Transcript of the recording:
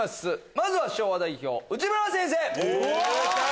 まずは昭和代表内村先生！来た！